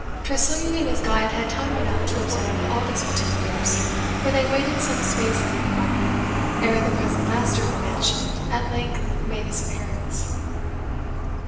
Tressilian and his guide had time enough to observe all these particulars, for they waited some space in the apartment ere the present master of the mansion at length made his appearance.